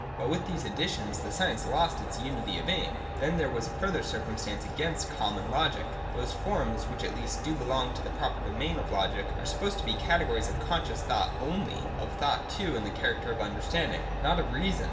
But with these additions the science lost its unity of aim. Then there was a further circuuistance against the Common Logic. Those forms, which at least do belong to the proper domain of Logic, are supposed to be categories of conscious thought only, ol' thought too in the character of understanding, not of reason.